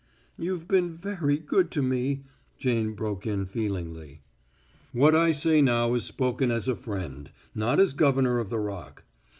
"You've been very good to me," Jane broke in feelingly. "What I say now is spoken as a friend, not as governor of the Rock.